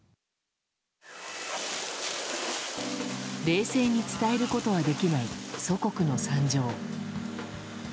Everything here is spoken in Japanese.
冷静に伝えることはできない祖国の惨状。